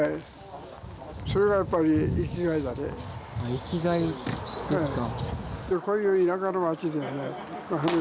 生きがいですか。